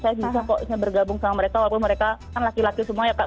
saya bisa kok bergabung sama mereka walaupun mereka kan laki laki semua ya kak